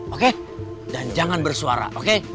oke dan jangan bersuara oke